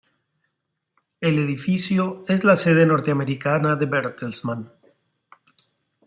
El edificio es la sede norteamericana de Bertelsmann.